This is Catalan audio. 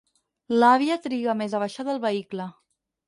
L'àvia triga més a baixar del vehicle.